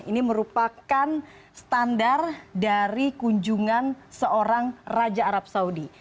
ini merupakan standar dari kunjungan seorang raja arab saudi